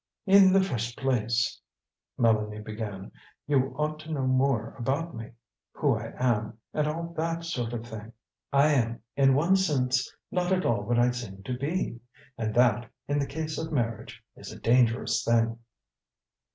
"In the first place," Mélanie began, "you ought to know more about me who I am, and all that sort of thing. I am, in one sense, not at all what I seem to be; and that, in the case of marriage, is a dangerous thing."